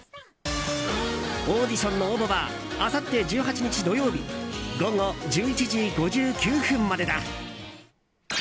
オーディションの応募はあさって１８日、土曜日午後１１時５９分までだ。